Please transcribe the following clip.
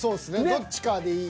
どっちかでいい。